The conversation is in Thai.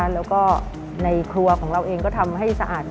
แล้วก็ในครัวของเราเองก็ทำให้สะอาด